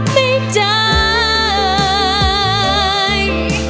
ไม่ได้